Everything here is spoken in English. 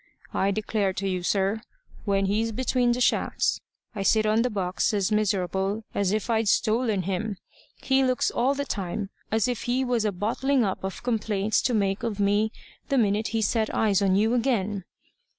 I declare to you, sir, when he's between the shafts, I sit on the box as miserable as if I'd stolen him. He looks all the time as if he was a bottling up of complaints to make of me the minute he set eyes on you again.